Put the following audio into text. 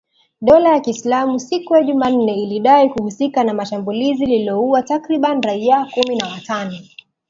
Dola ya Kiislamu siku ya Jumanne ilidai kuhusika na shambulizi lililoua takribani raia kumi na watano.